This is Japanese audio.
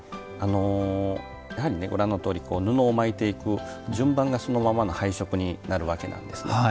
やはりご覧のとおり布を巻いていく順番が、そのまま配色になるわけなんですね。